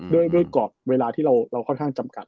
ด้วยกรอบเวลาที่เราค่อนข้างจำกัด